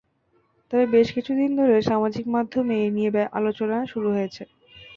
তবে বেশ কিছুদিন ধরে সামাজিক মাধ্যমে এ নিয়ে আলোচনা শুরু হয়েছে।